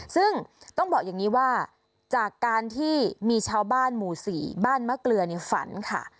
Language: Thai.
ซึ่งต้องบอกอย่างนี้ว่าจากการที่มีชาวบ้านหมู่๔บ้านมะเกลือในฝันค่ะ